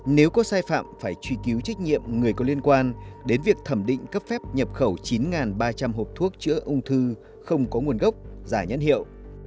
nếu có sai phạm phải truy cứu trách nhiệm người có liên quan đến việc thẩm định cấp phép nhập khẩu chín ba trăm linh hộp thuốc chữa ung thư không có nguồn gốc giả nhãn hiệu